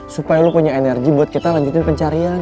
supaya lu punya energi buat kita lanjutin pencarian